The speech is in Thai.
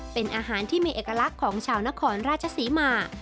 เป็นอาหารที่มีเอกลักษณ์ของชาวนครราชศรีมา